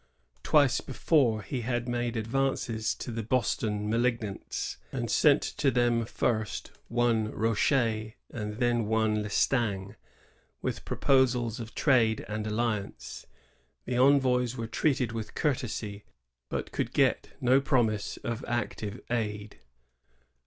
Twice before he had made advances to the Boston malignants, and sent to them first one Rochet, and then one Lestang, with pro posals of trade and alliance. The envoys were treated with courtesy, but could get no promise of active aid.'